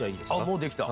もうできた？